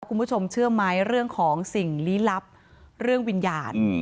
คุณผู้ชมเชื่อไหมเรื่องของสิ่งลี้ลับเรื่องวิญญาณ